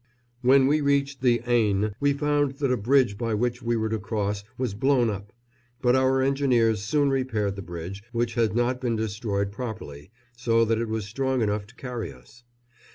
When we reached the Aisne we found that a bridge by which we were to cross was blown up; but our engineers soon repaired the bridge, which had not been destroyed properly, so that it was strong enough to carry us.